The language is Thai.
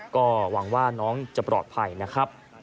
ก็หวังว่าน้องจะปลอดภัยนะครับ